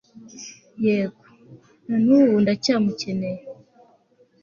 yego, na nubu ndacyamukeneye